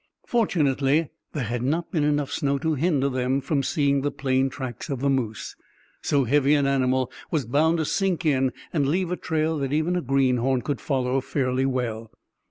Fortunately there had not been enough snow to hinder them from seeing the plain tracks of the moose. So heavy an animal was bound to sink in and leave a trail that even a greenhorn could follow fairly well.